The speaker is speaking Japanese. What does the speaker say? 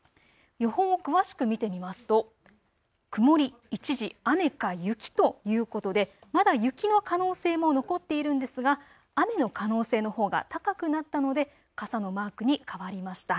予報を詳しく見てみますと曇り一時雨か雪ということでまだ雪の可能性も残っているんですが雨の可能性のほうが高くなったので傘のマークに変わりました。